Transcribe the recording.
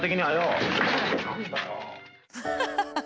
ハハハハ！